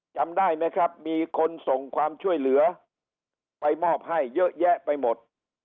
จำได้ไหมครับมีคนส่งความช่วยเหลือไปมอบให้เยอะแยะไปหมด